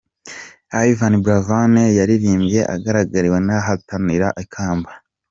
Yvan Buravan yaririmbye agaragiwe n'abahatanira ikamba.